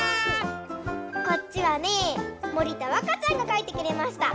こっちはねもりたわかちゃんがかいてくれました。